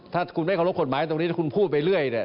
ถ้าคุณไม่เคารพกฎหมายตรงนี้ถ้าคุณพูดไปเรื่อยเนี่ย